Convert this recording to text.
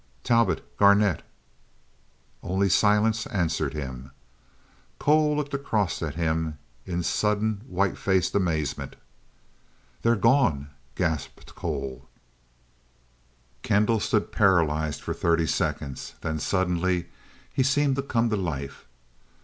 "Talbot Garnet " Only silence answered him. Cole looked across at him in sudden white faced amazement. "They're gone " gasped Cole. Kendall stood paralyzed for thirty seconds. Then suddenly he seemed to come to life.